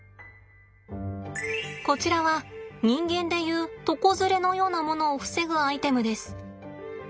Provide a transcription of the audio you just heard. こちらは人間で言う床ずれのようなものを防ぐアイテムです。